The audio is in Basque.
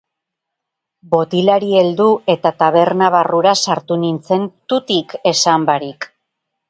Botilari heldu eta taberna barrura sartu nintzen tutik esan barik.